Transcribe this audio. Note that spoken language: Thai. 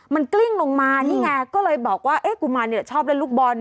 มันกลิ้งลงมานี่ไงก็เลยบอกว่าเอ๊ะกุมารเนี่ยชอบเล่นลูกบอล